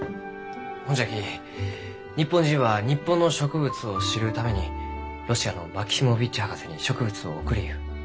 ほんじゃき日本人は日本の植物を知るためにロシアのマキシモヴィッチ博士に植物を送りゆう。